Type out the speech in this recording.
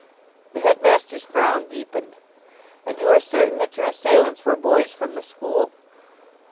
The headmaster's frown deepened. "And you are certain that your assailants were boys from the school?"